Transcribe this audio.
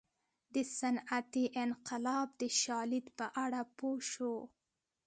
د صنعتي انقلاب د شالید په اړه پوه شو.